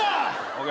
ＯＫ。